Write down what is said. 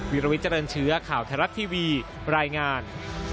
วีรวิเจริญเชื้อข่าวเทราะต์ทีวีรายงาน